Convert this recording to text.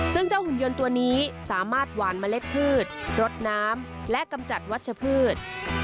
ซึ่งเจ้าหุ่นยนต์ตัวนี้สามารถหวานเมล็ดพืชรดน้ำและกำจัดวัชพืช